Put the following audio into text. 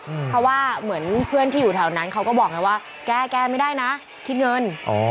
เพราะว่าเหมือนเพื่อนที่อยู่แถวนั้นเขาก็บอกไงว่าแก้แก้ไม่ได้นะคิดเงิน